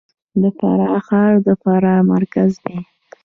د فراه ښار د فراه مرکز دی